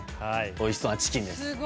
おいしそうなチキンです。